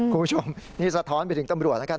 คุณผู้ชมนี่สะท้อนไปถึงตำรวจแล้วกัน